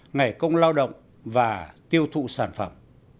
ngày công lao động và tiêu thụ sản phẩm